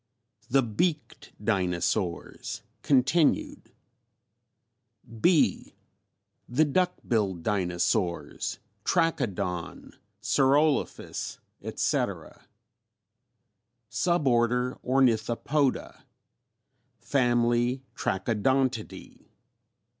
THE BEAKED DINOSAURS (Continued). B. THE DUCK BILLED DINOSAURS, TRACHODON, SAUROLOPHUS, ETC. _Sub Order Ornithopoda; Family Trachodontidæ.